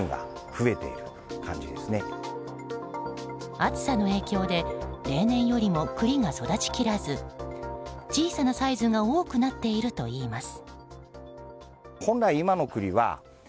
暑さの影響で例年よりも栗が育ち切らず小さなサイズが多くなっているといいます。